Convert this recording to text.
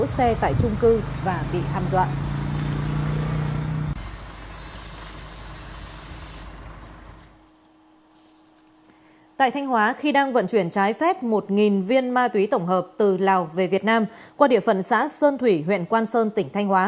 xin chào và hẹn gặp lại